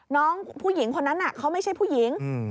น้องผู้หญิงคนนั้นเขาไม่ใช่ผู้หญิง